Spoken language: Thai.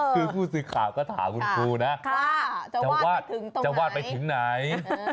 คือผู้สื่อข่าวก็ถามคุณครูนะว่าจะวาดไปถึงไหน